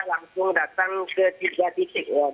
langsung datang ke tiga titik ya